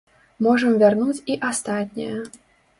Можам вярнуць і астатняе.